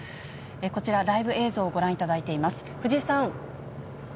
こちら、ライブ映像をご覧いただいています。